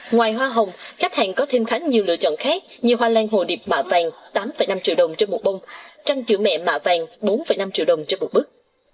ngoài hoa hồng khách hàng có thêm khá nhiều lựa chọn khác như hoa lan hồ điệp mà vàng tám năm triệu đồng cho bột bông trăng chữ mẹ mà vàng bốn năm triệu đồng cho bột bức